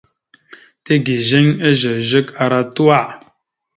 Tigizeŋ ezœzœk ara tuwa.